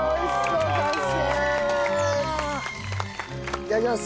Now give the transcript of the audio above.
いただきます。